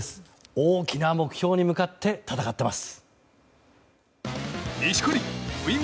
大きな目標に向かって戦ってます。